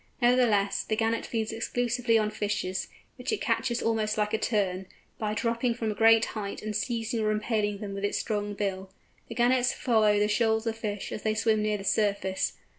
Nevertheless, the Gannet feeds exclusively on fishes, which it catches almost like a Tern, by dropping from a great height and seizing or impaling them with its strong bill. The Gannets follow the shoals of fish as they swim near the surface.